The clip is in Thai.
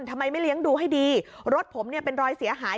ทำไมไม่เลี้ยงดูให้ดีรถผมเนี่ยเป็นรอยเสียหาย